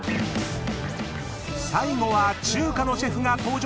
［最後は中華のシェフが登場！］